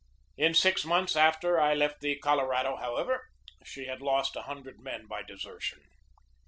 In six months after I left the Colorado, however, she had lost a hundred men by desertion.